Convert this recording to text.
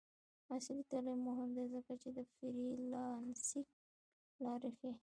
عصري تعلیم مهم دی ځکه چې د فریلانسینګ لارې ښيي.